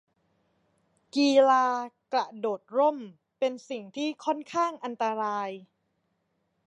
กีฬากระโดดร่ม เป็นสิ่งที่ค่อนข้างอันตราย